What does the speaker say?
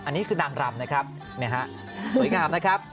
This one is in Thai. อันนี้คือนางรำนะครับสวยงามนะครับ